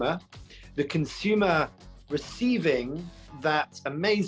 apa yang terlihat adalah